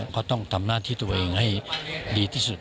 ก็ต้องทำหน้าที่ตัวเองให้ดีที่สุด